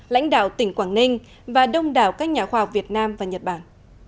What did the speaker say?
lãnh đạo tỉnh quảng ninh và đông đảo các nhà khoa học việt nam và nhật bản